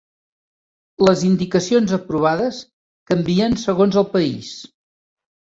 Les indicacions aprovades canvien segons el país.